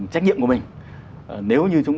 trách nhiệm của mình nếu như chúng